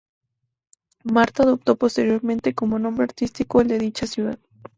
Martha adoptó posteriormente como nombre artístico el de dicha ciudad.